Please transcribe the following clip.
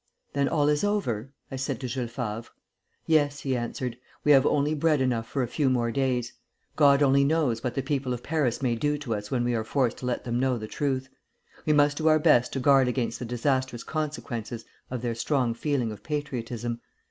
'Then all is over?' I said to Jules Favre. 'Yes,' he answered, 'we have only bread enough for a few more days. God only knows what the people of Paris may do to us when we are forced to let them know the truth. We must do our best to guard against the disastrous consequences of their strong feeling of patriotism.